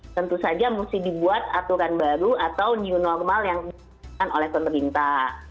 tentu saja mesti dibuat aturan baru atau new normal yang diperlukan oleh pemerintah